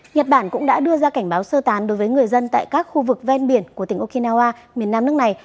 nhật bản cũng đã đưa ra cảnh báo sơ tán đối với người dân tại các khu vực ven biển của tỉnh okinawa miền nam nước này